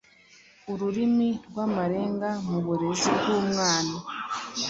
Ururimi rw’amarenga mu burezi bw’umwana